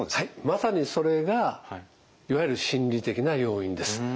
まさにそれがいわゆる心理的な要因です。